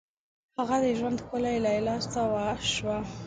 هغه د ژوند ښکلي لیلا څه شوه؟